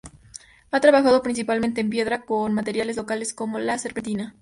Ha trabajado principalmente en piedra, con materiales locales como la serpentina.